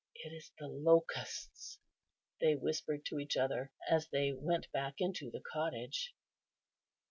"It is the locusts," they whispered to each other, as they went back into the cottage.